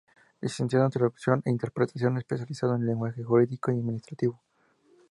Licenciado en Traducción e Interpretación, especializado en lenguaje jurídico y administrativo.